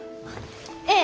ええ。